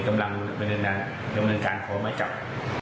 กำลังแผนการขอมาจับ